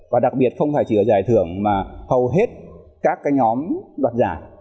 và đặc biệt không phải chỉ ở giải thưởng mà hầu hết các nhóm đoạt giải